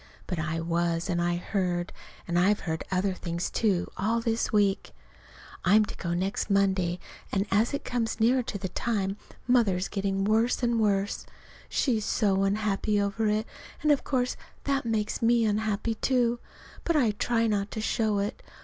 But I was, and I heard. And I've heard other things, too, all this week. I'm to go next Monday, and as it comes nearer the time Mother's getting worse and worse. She's so unhappy over it. And of course that makes me unhappy, too. But I try not to show it.